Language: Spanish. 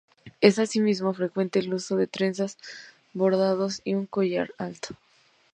Es asimismo frecuente el uso de trenzas, bordados y un collar alto.